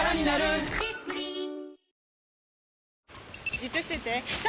じっとしてて３！